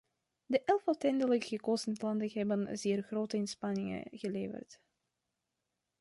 De elf uiteindelijk gekozen landen hebben zeer grote inspanningen geleverd.